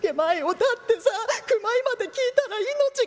「だってさ９枚まで聞いたら命が」。